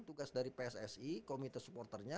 tugas dari pssi komite supporternya